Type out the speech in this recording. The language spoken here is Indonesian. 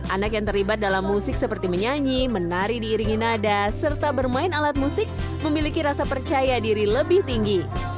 anak yang terlibat dalam musik seperti menyanyi menari diiringi nada serta bermain alat musik memiliki rasa percaya diri lebih tinggi